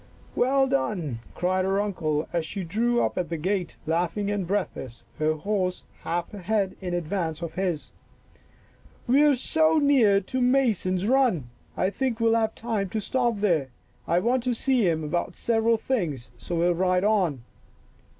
" Well done," cried her uncle as she drew up at the gate, laughing and breathless, her horse half a head in advance of his. " We are so near to ' Mason's run,' I think we'll have time to stop there. I want to see him about several things, so we'll ride on."